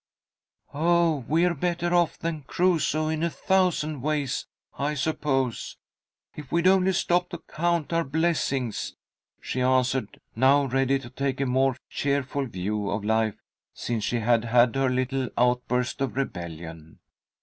"Oh, we're better off than Crusoe in a thousand ways, I suppose, if we'd only stop to count our blessings," she answered, now ready to take a more cheerful view of life since she had had her little outburst of rebellion.